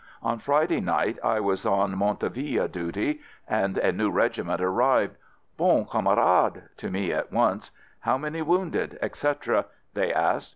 On Friday night, I was on Montauville duty — and a new regiment arrived — "Bon camarade" to me at once — "How many wounded ?" etc., — they asked.